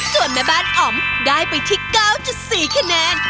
ส่วนแม่บ้านอ๋อมได้ไปที่๙๔คะแนน